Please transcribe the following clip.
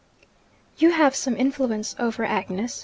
You have some influence over Agnes.